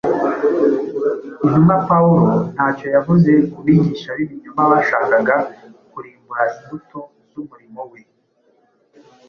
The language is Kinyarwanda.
Intumwa Pawulo ntacyo yavuze ku bigisha b’ibinyoma bashakaga kurimbura imbuto z’umurimo we.